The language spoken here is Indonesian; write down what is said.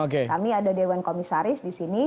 kami ada dewan komisaris disini